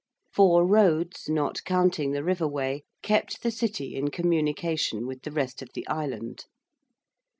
Four roads not counting the river way kept the City in communication with the rest of the island.